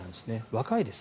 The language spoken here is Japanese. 若いです。